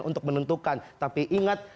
untuk menentukan tapi ingat